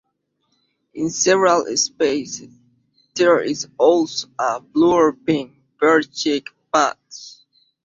In several species there is also a blue or pink bare cheek patch.